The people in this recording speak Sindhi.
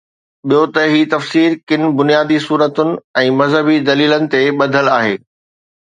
ٻيو ته هي تفسير ڪن بنيادي صورتن ۽ مذهبي دليلن تي ٻڌل آهي.